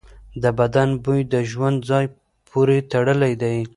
د بدن بوی د ژوند ځای پورې تړلی دی.